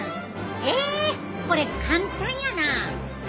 へえこれ簡単やな！